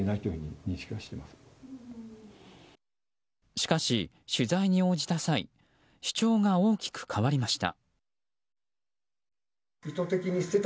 しかし、取材に応じた際主張が大きく変わりました。